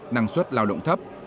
năng suất lao động thấp